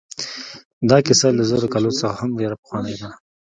دا کیسه له زرو کالو څخه هم ډېره پخوانۍ ده.